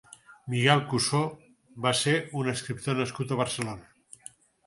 Miguel Cussó va ser un escriptor nascut a Barcelona.